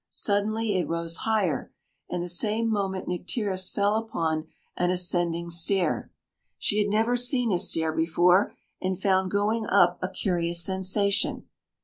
Suddenly it rose higher, and the same moment Nycteris fell upon an ascending stair. She had never seen a stair before, and found going up a curious sensation.